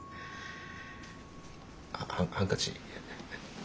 あっハンカチ。